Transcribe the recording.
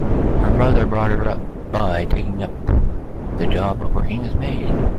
Her mother brought her up by taking up the job of working as maid.